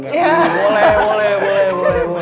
boleh boleh boleh